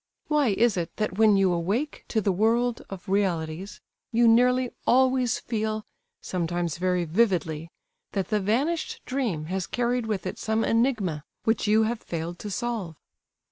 Why is it that when you awake to the world of realities you nearly always feel, sometimes very vividly, that the vanished dream has carried with it some enigma which you have failed to solve?